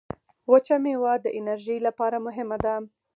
وچه مېوه د انرژۍ لپاره مهمه ده.